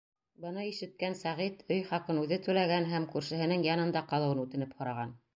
Быны ишеткән Сәғид өй хаҡын үҙе түләгән һәм күршеһенең янында ҡалыуын үтенеп һораған.